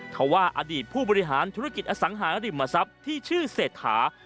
เขาว่าอดีตผู้บริหารธุรกิจอสังหาริมทรัพย์ที่ชื่อเศรษฐา